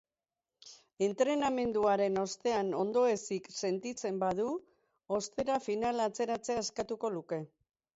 Entrenamenduaren ostean ondoezik sentitzen badu, ostera, finala atzeratzea eskatuko luke.